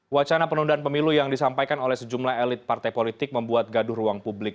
wacana penundaan pemilu yang disampaikan oleh sejumlah elit partai politik membuat gaduh ruang publik